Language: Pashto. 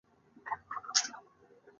ځان ګوښه کول څه پایله لري؟